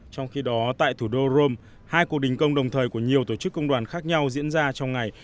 trong khi đó tại thủ đô rome hai cuộc đình công đồng thời của nhiều tổ chức công đoàn khác nhau diễn ra trong ngày